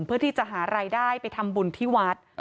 เพื่อที่จะหารายได้ไปทำบุญที่วัด